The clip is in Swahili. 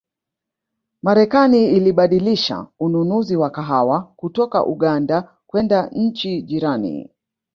Marekani ilibadilisha ununuzi wa kahawa kutoka Uganda kwenda nchi jirani